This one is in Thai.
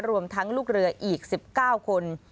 รวมทั้งลูกเรืออีก๑๙คน